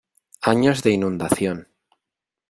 Años de Inundación